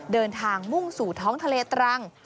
เดินทางมุ่งสู่ท้องทะเลตรัง